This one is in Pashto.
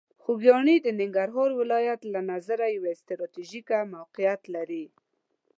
خوږیاڼي د ننګرهار ولایت له نظره یوه ستراتیژیکه موقعیت لري.